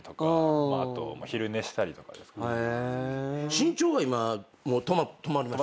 身長は今もう止まりました？